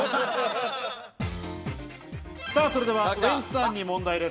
それではウエンツさんに問題です。